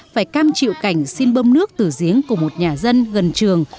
phải cam chịu cảnh xin bơm nước từ giếng của một nhà dân gần trường